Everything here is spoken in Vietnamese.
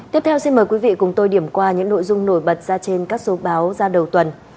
tiếp theo xin mời quý vị cùng tôi điểm qua những nội dung nổi bật ra trên các số báo ra đầu tuần